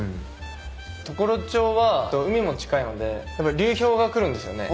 常呂町は海も近いので流氷が来るんですよね。